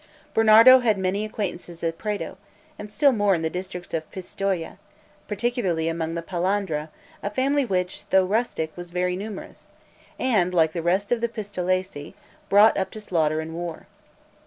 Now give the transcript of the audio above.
Bernardo had many acquaintances at Prato, and still more in the district of Pistoia, particularly among the Palandra, a family which, though rustic, was very numerous, and, like the rest of the Pistolesi, brought up to slaughter and war.